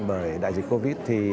bởi đại dịch covid thì